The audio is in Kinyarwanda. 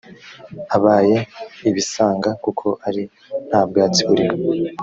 abaye ibisanga kuko ari nta bwatsi buriho